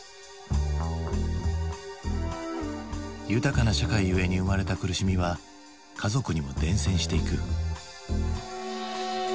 豊かな社会ゆえに生まれた苦しみは家族にも伝染していく。